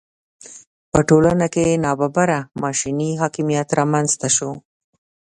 په ټولنه کې ناببره ماشیني حاکمیت رامېنځته شو.